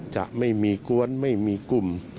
จะไม่มีกวนไม่มีกลุ่ม